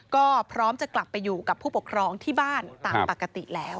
ก็พร้อมจะกลับไปอยู่กับผู้ปกครองที่บ้านตามปกติแล้ว